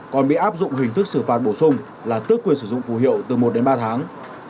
còn bị áp dụng hình thức xử phạt bổ sung là tước quyền sử dụng phù hiệu từ một đến ba tháng